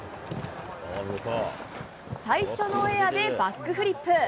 最初のエアでバックフリップ。